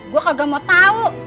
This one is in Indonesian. gue kagak mau tau